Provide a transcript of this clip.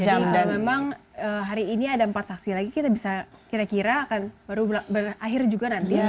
jadi kalau memang hari ini ada empat saksi lagi kita bisa kira kira akan baru berakhir juga nanti